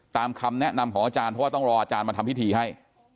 คำแนะนำของอาจารย์เพราะว่าต้องรออาจารย์มาทำพิธีให้